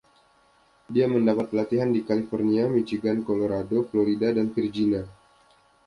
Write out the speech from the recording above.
Dia mendapat pelatihan di California, Michigan, Colorado, Florida, dan Virginia.